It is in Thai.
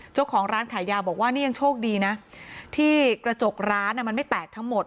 เจ้าของร้านขายยาบอกว่านี่ยังโชคดีนะที่กระจกร้านมันไม่แตกทั้งหมด